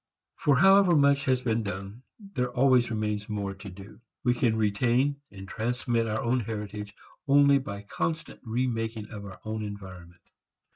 For however much has been done, there always remains more to do. We can retain and transmit our own heritage only by constant remaking of our own environment.